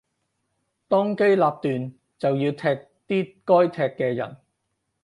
當機立斷就要踢啲該踢嘅人